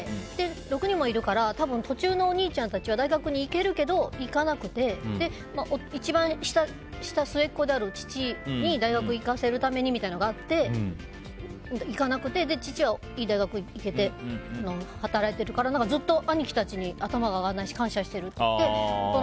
６人もいるから多分、途中のお兄ちゃんたちは大学に行けるけど行かなくて一番下、末っ子である父に大学行かせるためにみたいなのがあって行かなくて父はいい大学に行けて働いてるから、ずっと兄貴たちに頭が上がらないし感謝してるって言ってて。